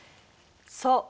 そう。